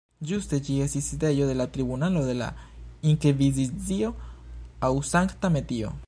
Ĝuste ĝi estis sidejo de la Tribunalo de la Inkvizicio aŭ Sankta Metio.